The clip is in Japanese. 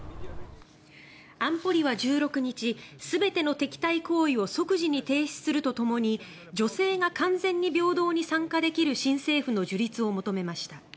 安保理は１６日全ての敵対行為を即時に停止するとともに女性が完全に平等に参加できる新政府の樹立を求めました。